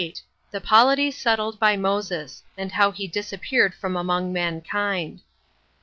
The Polity Settled By Moses; And How He Disappeared From Among Mankind.